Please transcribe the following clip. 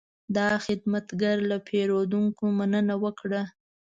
دا خدمتګر له پیرودونکو مننه وکړه.